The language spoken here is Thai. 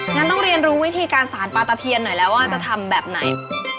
งั้นต้องเรียนรู้วิธีการสารปลาตะเพียนหน่อยแล้วว่าจะทำแบบไหน